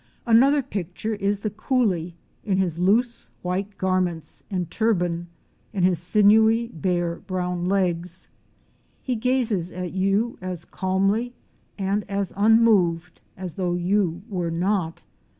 GEORGETOWN. 117 Another picture is the coolie in his loose, white garments and turban and his sinewy, bare, brown legs. He gazes at you as calmly and as unmoved as though you were not.